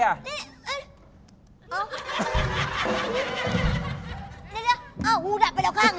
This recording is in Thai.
อ้าวหูดับไปดอกข้าง